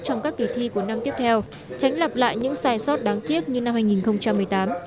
trong các kỳ thi của năm tiếp theo tránh lặp lại những sai sót đáng tiếc như năm hai nghìn một mươi tám